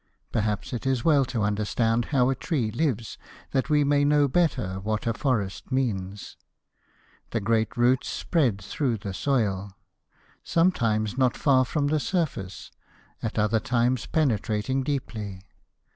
Perhaps it is well to understand how a tree lives, that we may know better what a forest means. The great roots spread through the soil, sometimes not far from the surface, at other times penetrating deeply.